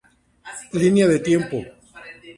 Línea de tiempo